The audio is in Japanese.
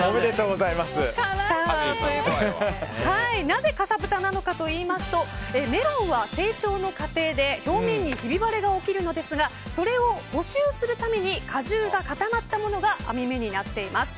なぜ、かさぶたなのかといいますとメロンは成長の過程で表面にひび割れが起きるのですがそれを補修するために果汁が固まったものが網目になっています。